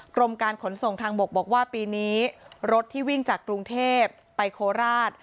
กรมการขนส่งทางบกบอกว่าปีนี้รถที่วิ่งจากกรุงเทพไปโคราช